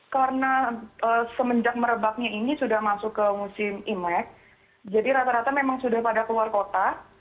karena semenjak merebaknya ini sudah masuk ke musim imlek jadi rata rata memang sudah pada keluar kota